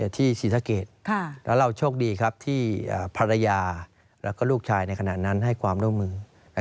ที่ศรีสะเกดแล้วเราโชคดีครับที่ภรรยาแล้วก็ลูกชายในขณะนั้นให้ความร่วมมือ